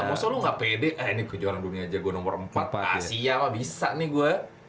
maksudnya lo gak pede eh ini kejuaraan dunia aja gue nomor empat pak asia bisa nih gue